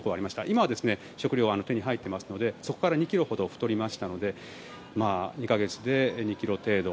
今は食料が手に入っていますのでそこから２ｋｇほど太りましたので２か月で２ｋｇ程度。